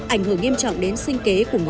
ảnh hưởng nghiêm trọng đến sinh kế của người dân